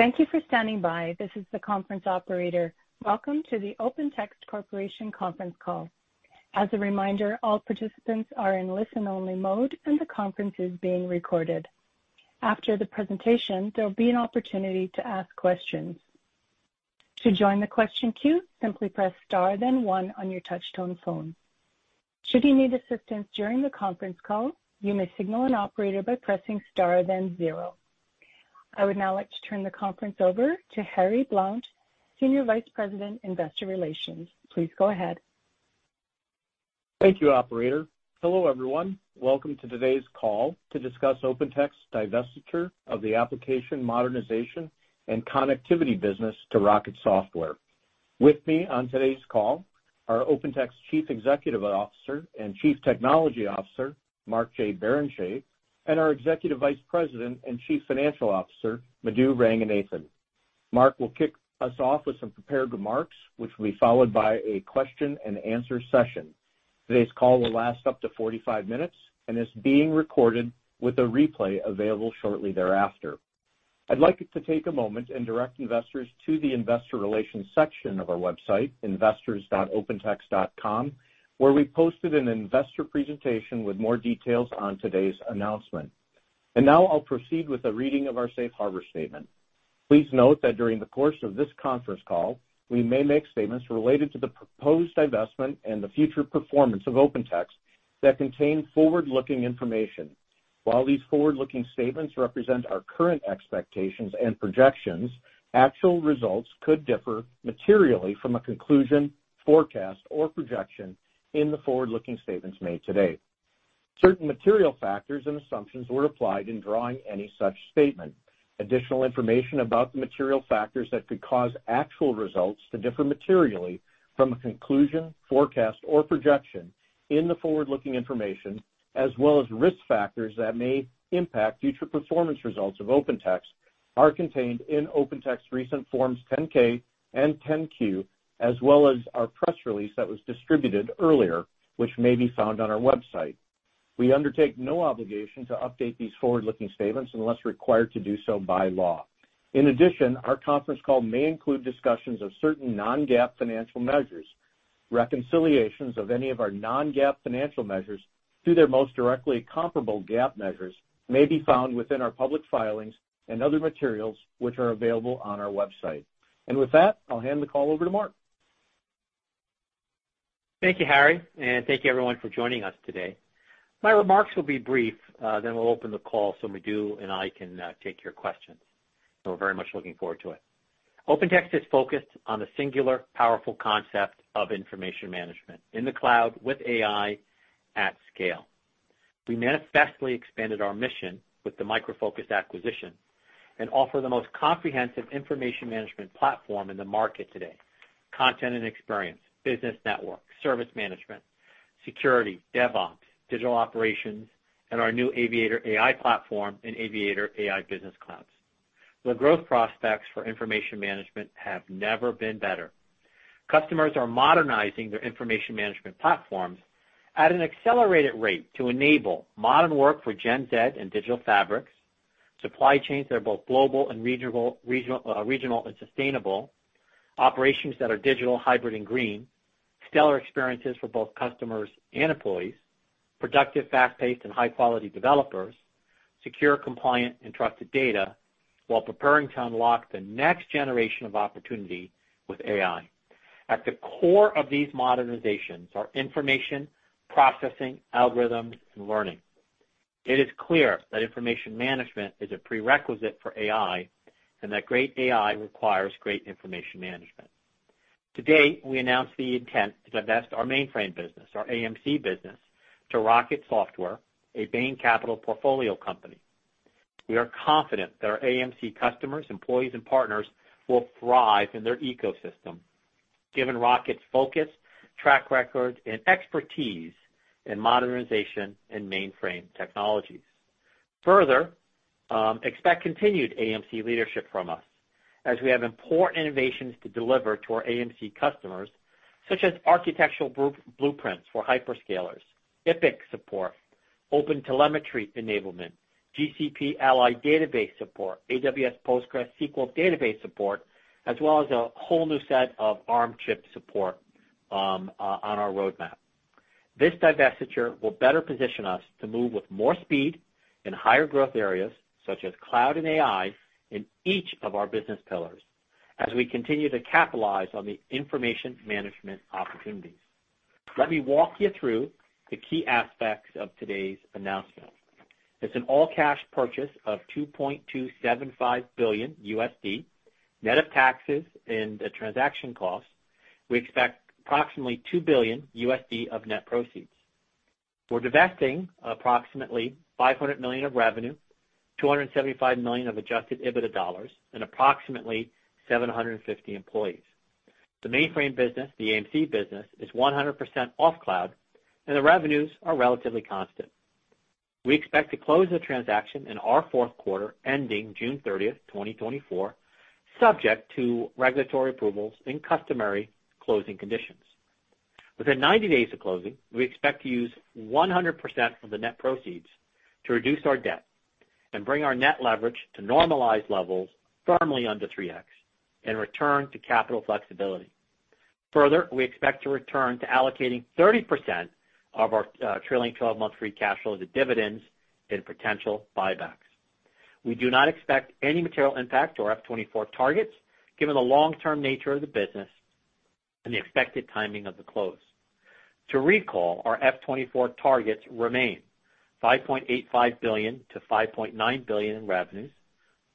Thank you for standing by. This is the conference operator. Welcome to the OpenText Corporation conference call. As a reminder, all participants are in listen-only mode, and the conference is being recorded. After the presentation, there will be an opportunity to ask questions. To join the question queue, simply press star, then one on your touchtone phone. Should you need assistance during the conference call, you may signal an operator by pressing star, then zero. I would now like to turn the conference over to Harry Blount, Senior Vice President, Investor Relations. Please go ahead. Thank you, operator. Hello, everyone. Welcome to today's call to discuss OpenText divestiture of the application, Modernization, and Connectivity business to Rocket Software. With me on today's call are OpenText Chief Executive Officer and Chief Technology Officer, Mark J. Barrenechea, and our Executive Vice President and Chief Financial Officer, Madhu Ranganathan. Mark will kick us off with some prepared remarks, which will be followed by a question and answer session. Today's call will last up to forty-five minutes and is being recorded with a replay available shortly thereafter. I'd like to take a moment and direct investors to the investor relations section of our website, investors.opentext.com, where we posted an investor presentation with more details on today's announcement. I will now proceed with the reading of our safe harbor statement. Please note that during the course of this conference call, we may make statements related to the proposed investment and the future performance of OpenText that contain forward-looking information. While these forward-looking statements represent our current expectations and projections, actual results could differ materially from a conclusion, forecast, or projection in the forward-looking statements made today. Certain material factors and assumptions were applied in drawing any such statement. Additional information about the material factors that could cause actual results to differ materially from a conclusion, forecast, or projection in the forward-looking information, as well as risk factors that may impact future performance results of OpenText, are contained in OpenText's recent Forms 10-K and 10-Q, as well as our press release that was distributed earlier, which may be found on our website. We undertake no obligation to update these forward-looking statements unless required to do so by law. In addition, our conference call may include discussions of certain non-GAAP financial measures. Reconciliations of any of our non-GAAP financial measures to their most directly comparable GAAP measures may be found within our public filings and other materials, which are available on our website. With that, I'll hand the call over to Mark. Thank you, Harry, and thank you everyone for joining us today. My remarks will be brief, then we'll open the call so Madhu and I can take your questions. We are very much looking forward to it. OpenText is focused on the singular, powerful concept of information management in the cloud with AI at scale. We manifestly expanded our mission with the Micro Focus acquisition and offer the most comprehensive information management platform in the market today: content and experience, business network, service management, security, DevOps, digital operations, and our new Aviator AI platform and Aviator AI business clouds. The growth prospects for information management have never been better. Customers are modernizing their information management platforms at an accelerated rate to enable modern work for Gen Z and digital fabrics, supply chains that are both global and regional, regional and sustainable, operations that are digital, hybrid, and green, stellar experiences for both customers and employees, productive, fast-paced, and high-quality developers, secure, compliant, and trusted data, while preparing to unlock the next generation of opportunity with AI. At the core of these modernizations are information, processing, algorithms, and learning. It is clear that information management is a prerequisite for AI, and that great AI requires great information management. Today, we announce the intent to divest our mainframe business, our AMC business, to Rocket Software, a Bain Capital portfolio company. We are confident that our AMC customers, employees, and partners will thrive in their ecosystem, given Rocket's focus, track record, and expertise in modernization and mainframe technologies. Further, expect continued AMC leadership from us, as we have important innovations to deliver to our AMC customers, such as architectural group blueprints for hyperscalers, Epicsupport, open telemetry enablement, GCP AlloyDB support, AWS PostgreSQL database support, as well as a whole new set of Arm chip support on our roadmap. This divestiture will better position us to move with more speed in higher growth areas, such as cloud and AI, in each of our business pillars as we continue to capitalize on the information management opportunities. Let me walk you through the key aspects of today's announcement. It's an all-cash purchase of $2.275 billion. Net of taxes and the transaction costs, we expect approximately $2 billion of net proceeds. We're divesting approximately $500 million of revenue, $275 million of adjusted EBITDA dollars, and approximately 750 employees. The mainframe business, the AMC business, is 100% off cloud, and the revenues are relatively constant. We expect to close the transaction in our fourth quarter, ending June thirtieth, 2024, subject to regulatory approvals and customary closing conditions. Within 90 days of closing, we expect to use 100% of the net proceeds to reduce our debt and bring our net leverage to normalized levels firmly under 3X and return to capital flexibility. Further, we expect to return to allocating 30% of our trailing twelve-month free cash flow to dividends and potential buybacks. We do not expect any material impact to our F '24 targets, given the long-term nature of the business and the expected timing of the close. To recall, our F 2024 targets remain $5.85 billion-$5.9 billion in revenues,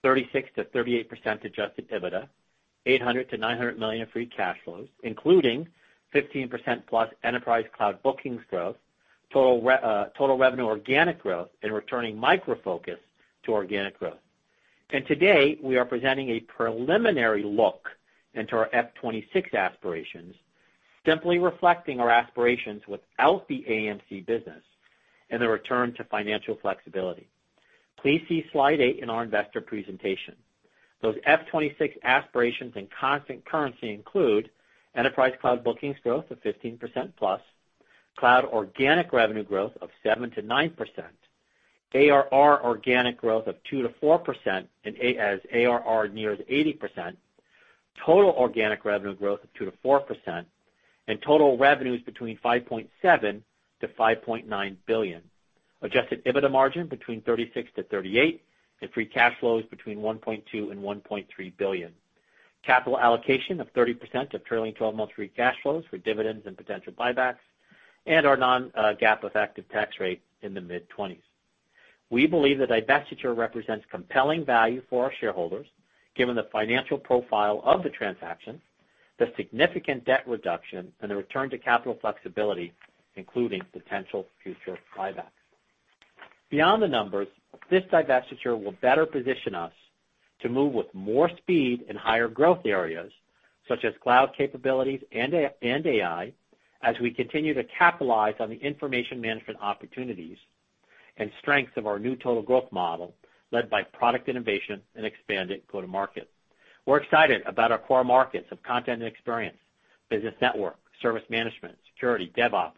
36%-38% adjusted EBITDA, $800 million-$900 million of free cash flows, including 15%+ enterprise cloud bookings growth, total revenue organic growth, and returning Micro Focus to organic growth. Today, we are presenting a preliminary look into our F 2026 aspirations, simply reflecting our aspirations without the AMC business and the return to financial flexibility. Please see slide eight in our investor presentation. Those F '26 aspirations and constant currency include enterprise cloud bookings growth of 15% plus, cloud organic revenue growth of 7%-9%, ARR organic growth of 2%-4%, and as ARR nears 80%, total organic revenue growth of 2%-4%, and total revenues between $5.7 billion-$5.9 billion. Adjusted EBITDA margin between 36%-38%, and free cash flows between $1.2 billion-$1.3 billion. Capital allocation of 30% of trailing twelve months free cash flows for dividends and potential buybacks, and our non-GAAP effective tax rate in the mid-twenties. We believe the divestiture represents compelling value for our shareholders, given the financial profile of the transaction, the significant debt reduction, and the return to capital flexibility, including potential future buybacks. Beyond the numbers, this divestiture will better position us to move with more speed in higher growth areas, such as cloud capabilities and AI, as we continue to capitalize on the information management opportunities and strengths of our new total growth model, led by product innovation and expanded go-to-market. We're excited about our core markets of content and experience, business network, service management, security, DevOps,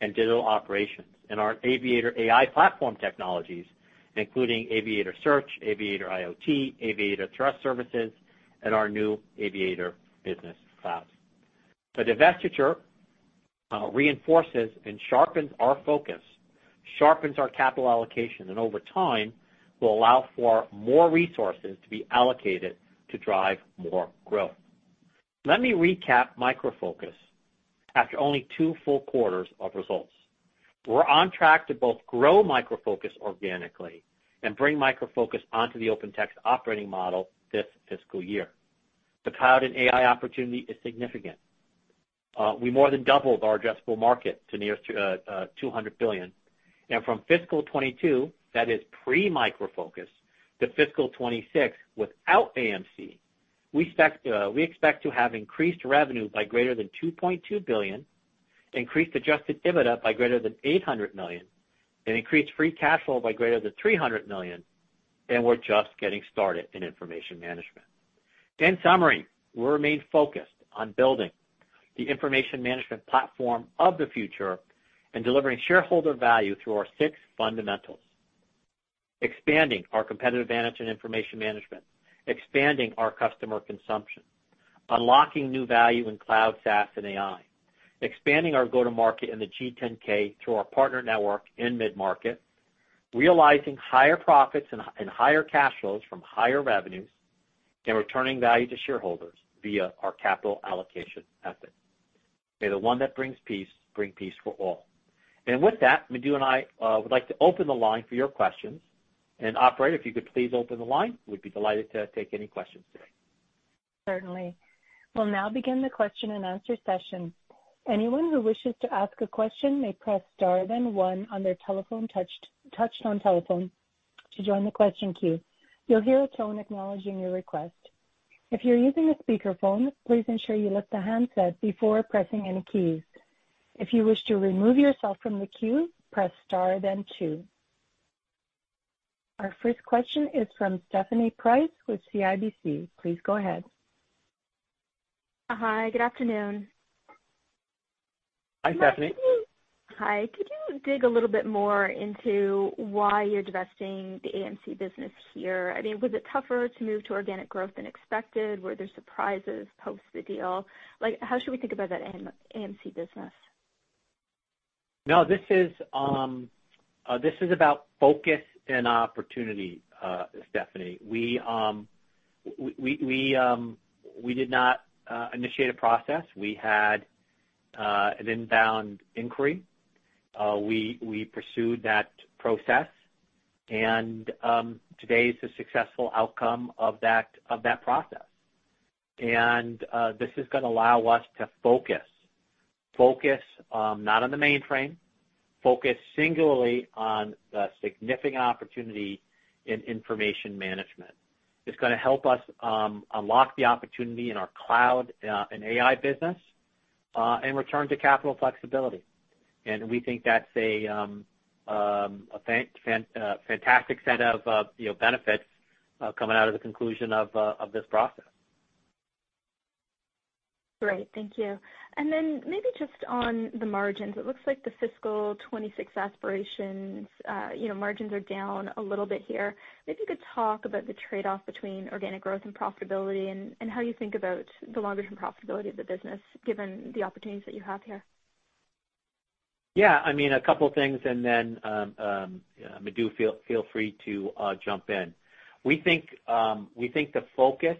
and digital operations, and our Aviator AI platform technologies, including Aviator Search, Aviator IoT, Aviator Trust Services, and our new Aviator Business Cloud. The divestiture reinforces and sharpens our focus, sharpens our capital allocation, and over time, will allow for more resources to be allocated to drive more growth. Let me recap Micro Focus after only two full quarters of results. We're on track to both grow Micro Focus organically and bring Micro Focus onto the OpenText operating model this fiscal year. The cloud and AI opportunity is significant. We more than doubled our addressable market to near $200 billion. From fiscal 2022, that is pre-Micro Focus, to fiscal 2026, without AMC, we expect to have increased revenue by greater than $2.2 billion, increased adjusted EBITDA by greater than $800 million, and increased free cash flow by greater than $300 million, and we're just getting started in information management. In summary, we remain focused on building the information management platform of the future and delivering shareholder value through our six fundamentals: expanding our competitive advantage in information management, expanding our customer consumption, unlocking new value in cloud, SaaS, and AI, expanding our go-to-market in the G10K through our partner network in mid-market, realizing higher profits and higher cash flows from higher revenues, and returning value to shareholders via our capital allocation method. May the one that brings peace, bring peace for all. With that, Madhu and I would like to open the line for your questions. Operator, if you could please open the line, we'd be delighted to take any questions today. Certainly. We'll now begin the question-and-answer session. Anyone who wishes to ask a question may press star, then one on their touchtone telephone to join the question queue. You'll hear a tone acknowledging your request. If you're using a speakerphone, please ensure you lift the handset before pressing any keys. If you wish to remove yourself from the queue, press star, then two. Our first question is from Stephanie Price with CIBC. Please go ahead. Hi, good afternoon. Hi, Stephanie. Hi. Could you dig a little bit more into why you're divesting the AMC business here? I mean, was it tougher to move to organic growth than expected? Were there surprises post the deal? Like, how should we think about that AMC business? No, this is about focus and opportunity, Stephanie. We did not initiate a process. We had an inbound inquiry. We pursued that process, and today is the successful outcome of that process. This is going to allow us to focus, focus not on the mainframe, focus singularly on the significant opportunity in information management. It is going to help us unlock the opportunity in our cloud and AI business, and return to capital flexibility. We think that is a fantastic set of, you know, benefits coming out of the conclusion of this process. Great, thank you. And then maybe just on the margins, it looks like the fiscal 2026 aspirations, you know, margins are down a little bit here. Maybe you could talk about the trade-off between organic growth and profitability, and how you think about the longer-term profitability of the business, given the opportunities that you have here. Yeah, I mean, a couple of things, and then, Madhu, feel free to, feel free to, jump in. We think, we think the focus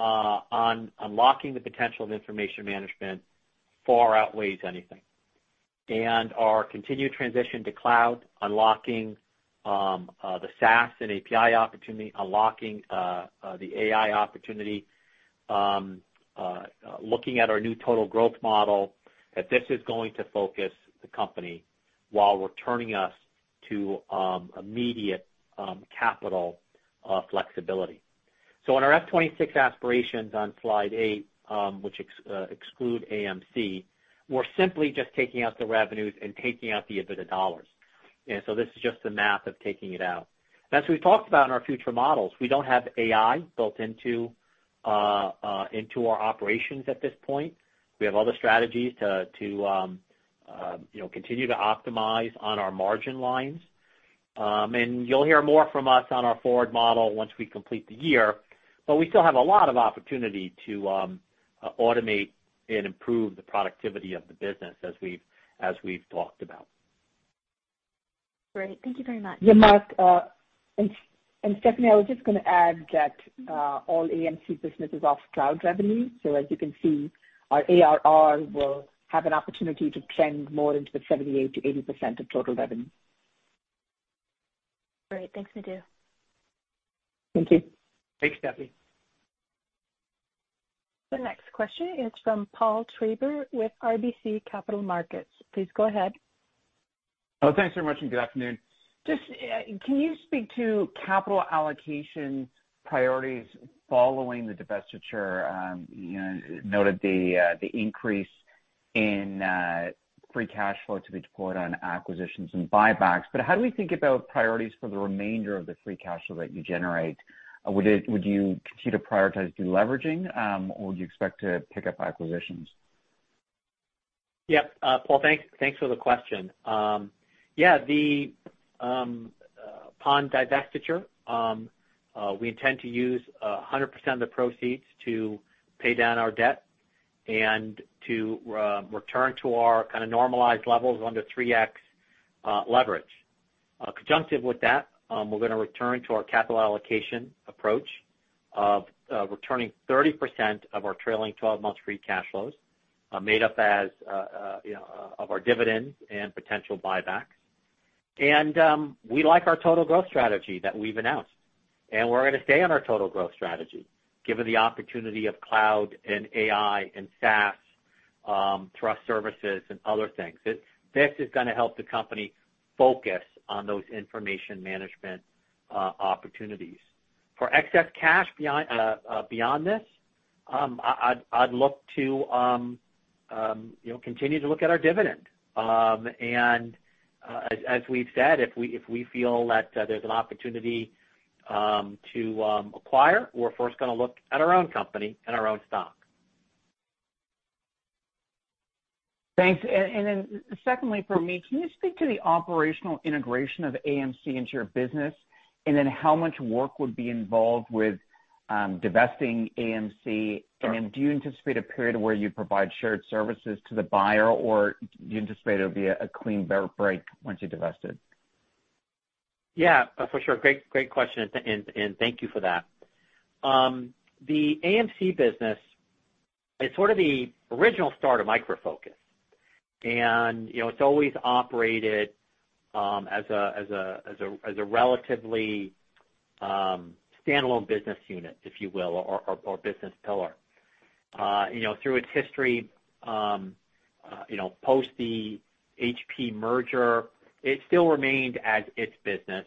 on unlocking the potential of information management far outweighs anything. And our continued transition to cloud, unlocking the SaaS and API opportunity, unlocking the AI opportunity, looking at our new total growth model, that this is going to focus the company while returning us to immediate capital flexibility. On our F 2026 aspirations on slide eight, which exclude AMC, we're simply just taking out the revenues and taking out the EBITDA dollars. This is just the math of taking it out. As we've talked about in our future models, we do not have AI built into, into our operations at this point. We have other strategies to, you know, continue to optimize on our margin lines. You will hear more from us on our forward model once we complete the year, but we still have a lot of opportunity to, you know, automate and improve the productivity of the business as we've talked about. Great. Thank you very much. Yeah, Mark, and Stephanie, I was just gonna add that all AMC business is off cloud revenue, so as you can see, our ARR will have an opportunity to trend more into the 78%-80% of total revenue. Great. Thanks, Madhu. Thank you. Thanks, Stephanie. The next question is from Paul Treiber with RBC Capital Markets. Please go ahead. Oh, thanks very much, and good afternoon. Just, can you speak to capital allocation priorities following the divestiture? You know, noted the increase in free cash flow to be deployed on acquisitions and buybacks. How do we think about priorities for the remainder of the free cash flow that you generate? Would you continue to prioritize deleveraging, or would you expect to pick up acquisitions? Yep. Paul, thanks, thanks for the question. Yeah, upon divestiture, we intend to use a hundred percent of the proceeds to pay down our debt and to return to our kind of normalized levels under 3x leverage. Conjunctive with that, we're gonna return to our capital allocation approach of returning 30% of our trailing twelve-month free cash flows, made up as, you know, of our dividends and potential buybacks. We like our total growth strategy that we've announced, and we're gonna stay on our total growth strategy, given the opportunity of cloud and AI and SaaS, trust services and other things. This is gonna help the company focus on those information management opportunities. For excess cash beyond this, I'd look to, you know, continue to look at our dividend. As we've said, if we feel that there's an opportunity to acquire, we're first gonna look at our own company and our own stock. Thanks. And then secondly, for me, can you speak to the operational integration of AMC into your business, and then how much work would be involved with divesting AMC? Sure. Do you anticipate a period where you provide shared services to the buyer, or do you anticipate it'll be a clean break once you divest it? Yeah, for sure. Great, great question, and thank you for that. The AMC business is sort of the original start of Micro Focus, and, you know, it's always operated as a relatively standalone business unit, if you will, or business pillar. You know, through its history, you know, post the HP merger, it still remained as its business.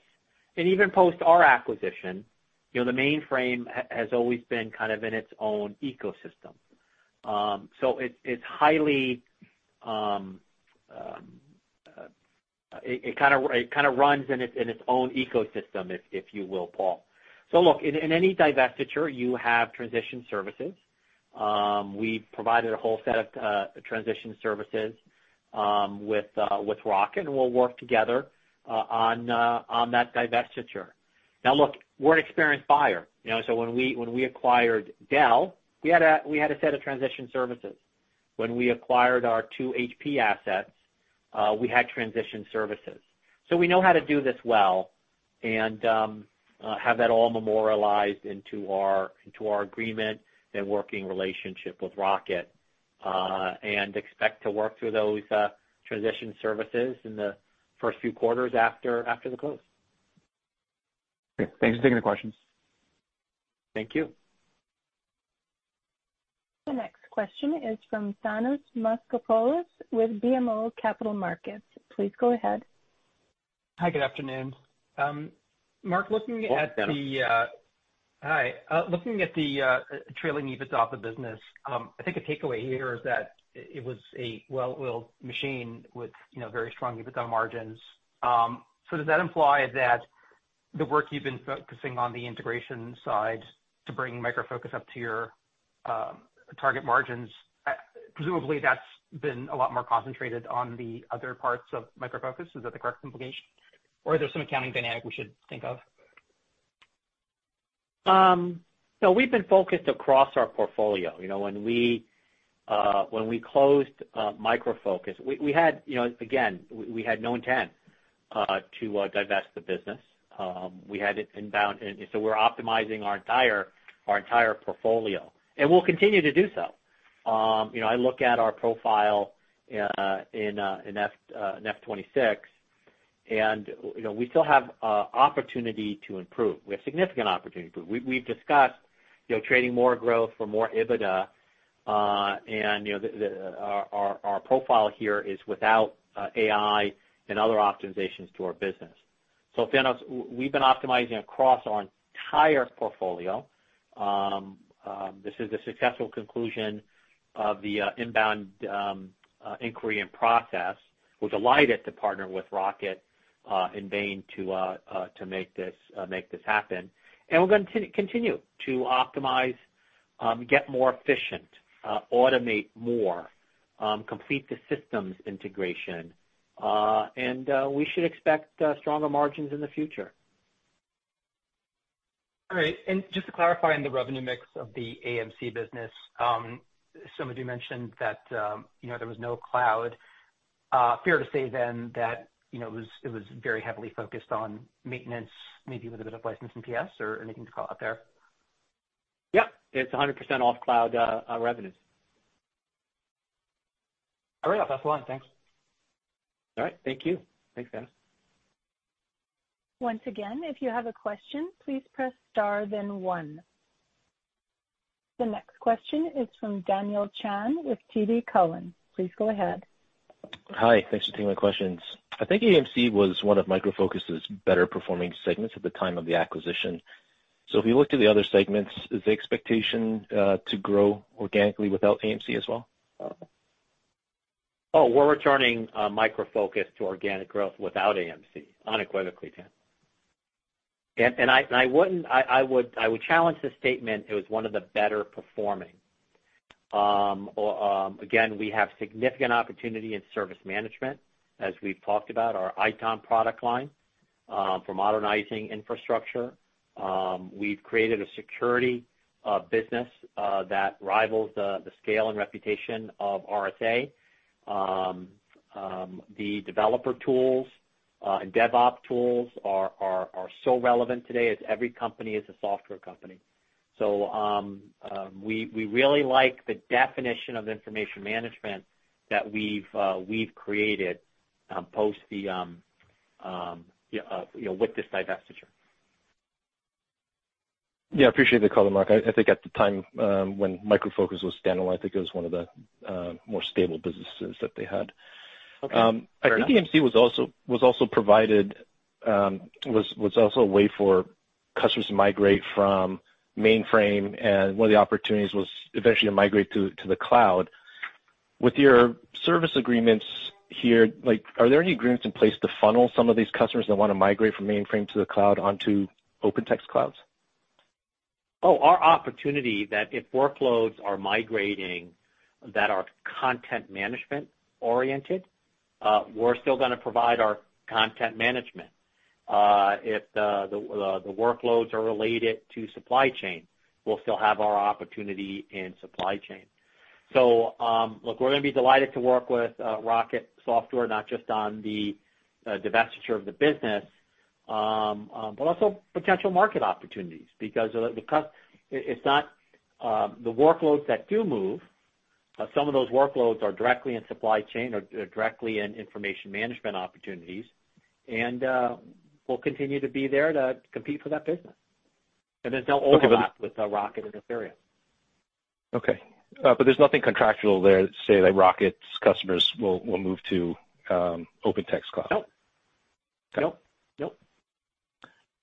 And even post our acquisition, you know, the mainframe has always been kind of in its own ecosystem. It's highly, it kind of runs in its own ecosystem, if you will, Paul. In any divestiture, you have transition services. We provided a whole set of transition services with Rocket, and we'll work together on that divestiture. Now, look, we're an experienced buyer, you know, so when we acquired Dell, we had a set of transition services. When we acquired our two HP assets, we had transition services. We know how to do this well and have that all memorialized into our agreement and working relationship with Rocket, and expect to work through those transition services in the first few quarters after the close. Great. Thanks for taking the questions. Thank you. The next question is from Thanos Moschopoulos with BMO Capital Markets. Please go ahead. Hi, good afternoon. Mark, looking at the... Welcome, Dennis. Hi. Looking at the trailing EBITDA of the business, I think a takeaway here is that it was a well-oiled machine with, you know, very strong EBITDA margins. Does that imply that the work you've been focusing on the integration side to bring Micro Focus up to your target margins, presumably that's been a lot more concentrated on the other parts of Micro Focus. Is that the correct implication, or is there some accounting dynamic we should think of? No, we've been focused across our portfolio. You know, when we closed Micro Focus, we had, you know, again, we had no intent to divest the business. We had it inbound, and so we're optimizing our entire portfolio, and we'll continue to do so. You know, I look at our profile in F 2026, and, you know, we still have opportunity to improve. We have significant opportunity to improve. We've discussed, you know, trading more growth for more EBITDA, and, you know, our profile here is without AI and other optimizations to our business. Dennis, we've been optimizing across our entire portfolio. This is the successful conclusion of the inbound inquiry and process. We're delighted to partner with Rocket and Bain to make this happen. We're gonna continue to optimize, get more efficient, automate more, complete the systems integration, and we should expect stronger margins in the future. All right. And just to clarify on the revenue mix of the AMC business, somebody mentioned that, you know, there was no cloud. Fair to say then that, you know, it was, it was very heavily focused on maintenance, maybe with a bit of license and PS or anything to call out there? Yeah, it's a hundred percent off cloud revenues. All right, that's the one. Thanks. All right, thank you. Thanks, Dennis. Once again, if you have a question, please press Star then One. The next question is from Daniel Chan with TD Cowen. Please go ahead. Hi, thanks for taking my questions. I think AMC was one of Micro Focus's better performing segments at the time of the acquisition. If you looked at the other segments, is the expectation to grow organically without AMC as well? Oh, we're returning Micro Focus to organic growth without AMC, unequivocally, Dan. I would challenge the statement, it was one of the better performing. We have significant opportunity in service management, as we've talked about, our ITOM product line for modernizing infrastructure. We've created a security business that rivals the scale and reputation of RSA. The developer tools and DevOp tools are so relevant today as every company is a software company. We really like the definition of information management that we've created post the, you know, with this divestiture. Yeah, I appreciate the call, Mark. I think at the time, when Micro Focus was standalone, I think it was one of the more stable businesses that they had. Okay. I think AMC was also, was also provided, was, was also a way for customers to migrate from mainframe, and one of the opportunities was eventually to migrate to the cloud. With your service agreements here, like, are there any agreements in place to funnel some of these customers that want to migrate from mainframe to the cloud onto OpenText clouds? Oh, our opportunity that if workloads are migrating that are content management-oriented, we're still gonna provide our content management. If the workloads are related to supply chain, we'll still have our opportunity in supply chain. Look, we're gonna be delighted to work with Rocket Software, not just on the divestiture of the business, but also potential market opportunities, because the cus- it's not the workloads that do move, some of those workloads are directly in supply chain or directly in information management opportunities, and we'll continue to be there to compete for that business. Then they'll overlap with Rocket and Atheria. Okay. But there's nothing contractual there to say that Rocket's customers will, will move to OpenText Cloud? Nope. Okay. Nope. Nope.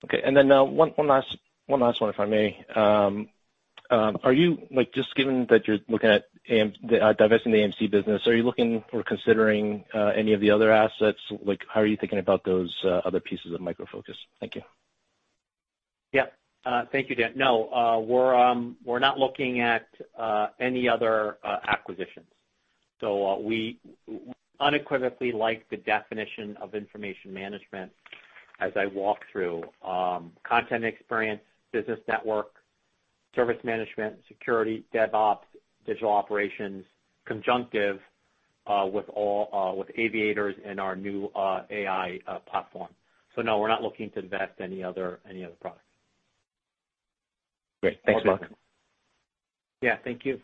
Okay, and then, one last one, if I may. Are you, like, just given that you're looking at divesting the AMC business, are you looking or considering any of the other assets? Like, how are you thinking about those other pieces of Micro Focus? Thank you. Yeah. Thank you, Dan. No, we're not looking at any other acquisitions. We unequivocally like the definition of information management as I walk through, content experience, business network, service management, security, DevOps, digital operations, conjunctive with all, with Aviator and our new AI platform. No, we're not looking to divest any other, any other products. Great. Thanks, Mark. Yeah. Thank you.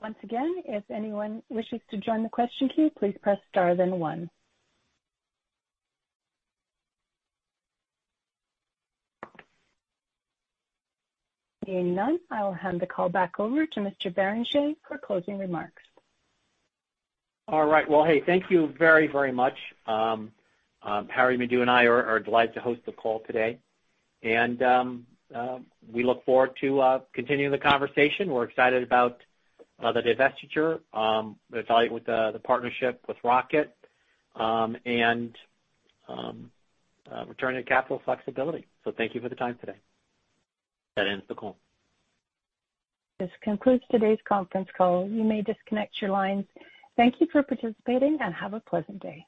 Once again, if anyone wishes to join the question queue, please press Star then One. Being none, I will hand the call back over to Mr. Barrenechea for closing remarks. All right. Thank you very, very much. Harry, Madhu and I are delighted to host the call today, and we look forward to continuing the conversation. We're excited about the divestiture, we're delighted with the partnership with Rocket, and returning capital flexibility. Thank you for the time today. That ends the call. This concludes today's conference call. You may disconnect your lines. Thank you for participating, and have a pleasant day.